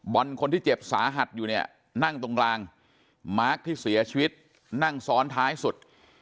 คนที่เจ็บสาหัสอยู่เนี่ยนั่งตรงกลางมาร์คที่เสียชีวิตนั่งซ้อนท้ายสุด